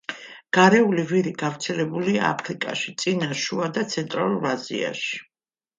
გარეული ვირი გავრცელებულია აფრიკაში, წინა, შუა და ცენტრალურ აზიაში.